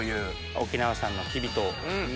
沖縄産のきび糖。